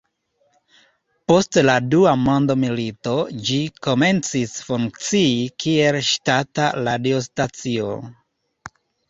Post la Dua Mondmilito ĝi komencis funkcii kiel ŝtata radiostacio.